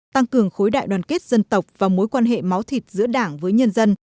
tăng cường khối đại đoàn kết dân tộc và mối quan hệ máu thịt giữa đảng với nhân dân